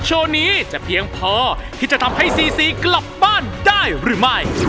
ที่จะทำให้ซีซีกลับบ้านได้หรือไม่